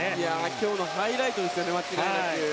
今日のハイライトですよね間違いなく。